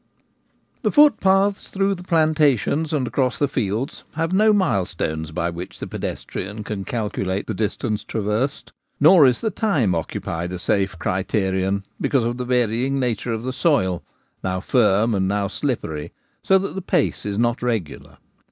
THE footpaths through the plantations and across the fields have no milestones by which the pedestrian can calculate the distance traversed ; nor is the time occu pied a safe criterion, because of the varying nature of the soil — now firm and now slippery — so that the pace is not regular.